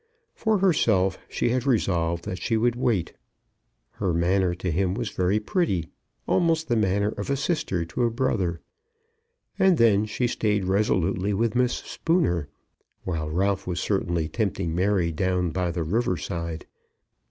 For herself she had resolved that she would wait. Her manner to him was very pretty, almost the manner of a sister to a brother. And then she stayed resolutely with Miss Spooner, while Ralph was certainly tempting Mary down by the river side.